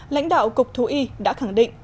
lãnh đạo cục thú y đã khẳng định